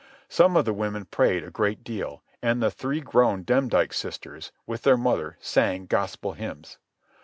Some of the women prayed a great deal, and the three grown Demdike sisters, with their mother, sang gospel hymns.